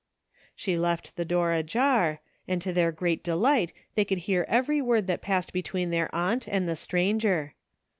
She left the door ajar, and to their great de light they could hear every word that passed between their aunt and the stranger.